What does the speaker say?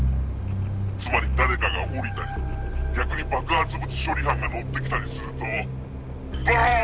つまり誰かが降りたり逆に爆発物処理班が乗って来たりするとボン！